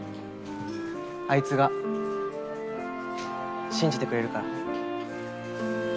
あいつが信じてくれるから。